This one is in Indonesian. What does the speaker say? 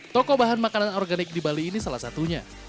toko bahan makanan organik di bali ini salah satunya